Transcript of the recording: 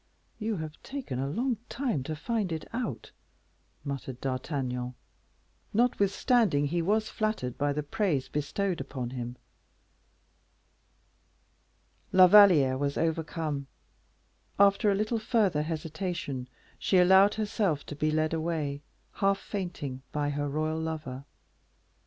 "You have taken a long time to find it out," muttered D'Artagnan, notwithstanding he was flattered by the praise bestowed upon him. La Valliere was overcome: after a little further hesitation, she allowed herself to be led away, half fainting, by her royal lover.